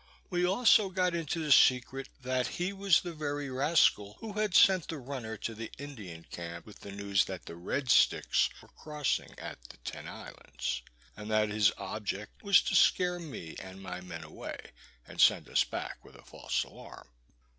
We also got into the secret, that he was the very rascal who had sent the runner to the Indian camp, with the news that the "red sticks" were crossing at the Ten Islands; and that his object was to scare me and my men away, and send us back with a false alarm.